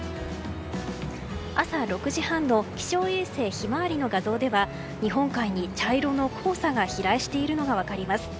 朝６時半の気象衛星ひまわりの画像では日本海に茶色の黄砂が飛来しているのが分かります。